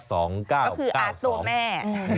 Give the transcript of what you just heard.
ก็คืออาร์ตตัวแม่